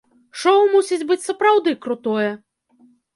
Шоу мусіць быць сапраўды крутое!